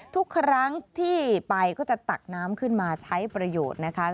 ทุกครั้งที่ไปก็จะตักน้ำขึ้นมาใช้ประโยชน์นะคะ